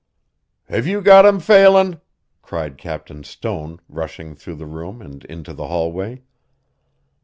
"Have you got him, Phelan?" cried Captain Stone, rushing through the room and into the hallway.